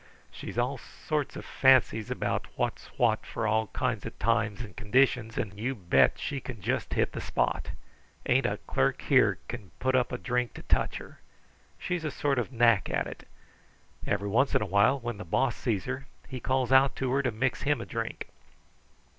She's all sorts of fancies about what's what for all kinds of times and conditions, and you bet she can just hit the spot! Ain't a clerk here can put up a drink to touch her. She's a sort of knack at it. Every once in a while, when the Boss sees her, he calls out to her to mix him a drink."